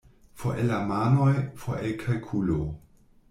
For el la manoj — for el kalkulo.